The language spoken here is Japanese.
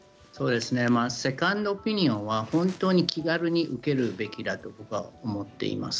セカンドオピニオンは本当に気軽に受けるべきだと思っています。